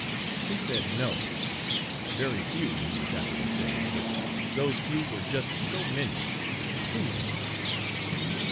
He said 'No; very few, he was happy to say, but those few were just so many too many.'